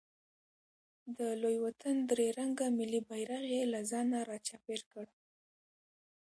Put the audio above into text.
د لوی وطن درې رنګه ملي بیرغ یې له ځانه راچاپېر کړ.